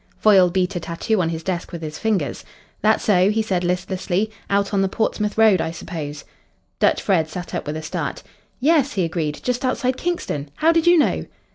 Foyle beat a tattoo on his desk with his fingers. "That so?" he said listlessly. "Out on the Portsmouth Road, I suppose?" Dutch Fred sat up with a start. "Yes," he agreed, "just outside Kingston. How did you know?"